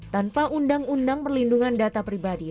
tanpa undang undang perlindungan data pribadi